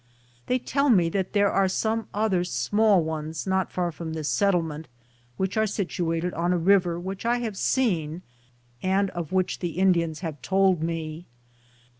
They tell me that there are some other small ones not far from this settlement, which are situated on a river which I have seen and of which the Indians have told me.